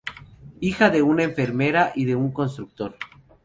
Hija de una enfermera y de un constructor.